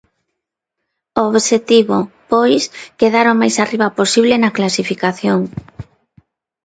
O obxectivo, pois, quedar o máis arriba posible na clasificación.